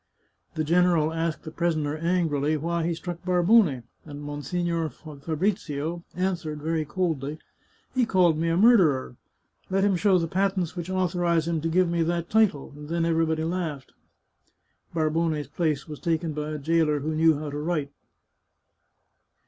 " The general asked the prisoner angrily why he struck Barbone, and Monsignore Fabrizio answered very coldly: ' He called me a murderer ; let him show the patents which authorize him to give me that title,' and then everybody laughed." Barbone's place was taken by a jailer who knew how to write.